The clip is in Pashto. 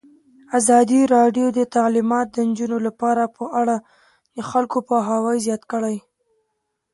ازادي راډیو د تعلیمات د نجونو لپاره په اړه د خلکو پوهاوی زیات کړی.